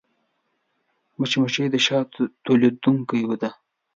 مچمچۍ د شاتو تولیدوونکې ده